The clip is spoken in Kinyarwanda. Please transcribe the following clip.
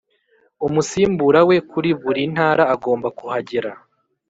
umusimbura we kuri buri ntara agomba kuhagera